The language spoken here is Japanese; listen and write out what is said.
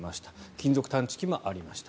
金属探知機もありました。